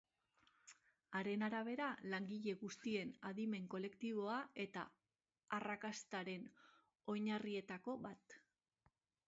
Haren arabera, langile guztien adimen kolektiboa da arrakastaren oinarrietako bat.